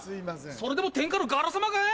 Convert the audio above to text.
それでも天下のＧＡＬＡ様かい？